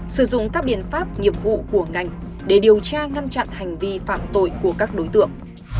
sử dụng các biện pháp nghiệp vụ của ngành để điều tra ngăn chặn hành vi phạm tội của các đối tượng